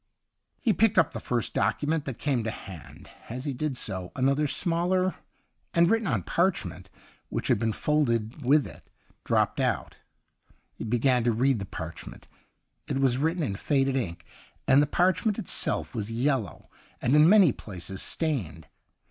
He picked up the first document that came to hand. As he did so, another, smaller, and written on 152 THE UNDYING THING parchment, which had been folded m with it, dropped out. He began to read the parchment ; it was written in faded ink, and the parch ment itself was yellow and in many places stained.